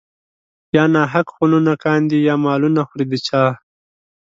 يا ناحق خونونه کاندي يا مالونه خوري د چا